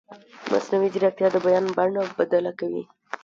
مصنوعي ځیرکتیا د بیان بڼه بدله کوي.